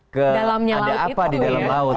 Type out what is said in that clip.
ke dalamnya ada apa di dalam laut